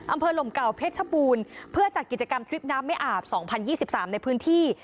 อำเภอลมเก่าเพชรทะบูนเพื่อจัดกิจกรรมทริปน้ำไม่อาบสองพันยี่สิบสามในพื้นที่